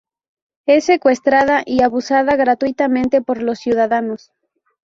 Es secuestrada y abusada gratuitamente por los ciudadanos.